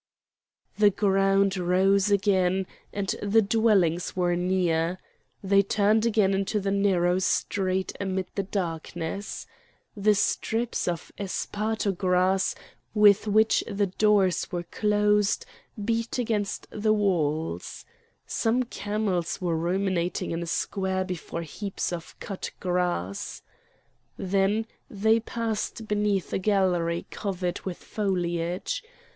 The ground rose again, and the dwellings were near. They turned again into the narrow streets amid the darkness. The strips of esparto grass with which the doors were closed, beat against the walls. Some camels were ruminating in a square before heaps of cut grass. Then they passed beneath a gallery covered with foliage.